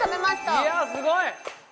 いやすごい！